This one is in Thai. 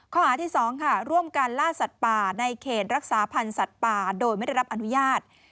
ข้อหาที่๒ค่ะร่วมกันล่าสัตว์ป่าในเขตรักษาพันธ์สัตว์ป่าโดยไม่ได้รับอนุญาต